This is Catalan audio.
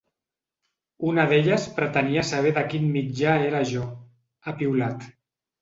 Una d’elles pretenia saber de quin mitjà era jo, ha piulat.